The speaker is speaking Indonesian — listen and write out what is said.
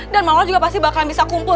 dan marwah juga pasti bakalan bisa kumil